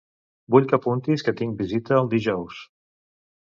Vull que apuntis que tinc visita el dijous.